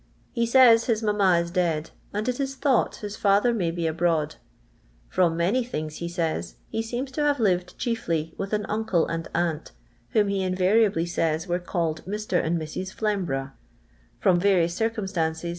He says his mamma is dead, and it is tlmught his father may be abroad. From many tilings he says, he seems to have lived chielly with an uncle and aunt, j whom he invariably says were called Mr. and I Mrs. Flembrough. From various circumstances